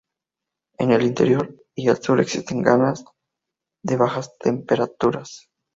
En el interior y el sur existen gamas de bajas temperaturas.